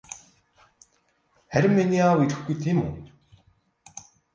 Харин миний аав ирэхгүй тийм үү?